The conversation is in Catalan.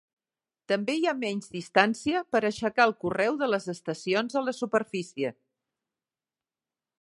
També hi ha menys distància per aixecar el correu de les estacions a la superfície.